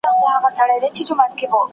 د بوري او غوړیو بیې په بازار کي ثبات لري.